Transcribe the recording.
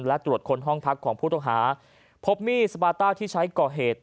และตรวจคนห้องพักของผู้ต้องหาพบมีดสปาต้าที่ใช้ก่อเหตุ